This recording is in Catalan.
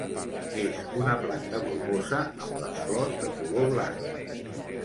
És una planta bulbosa amb les flors de color blanc.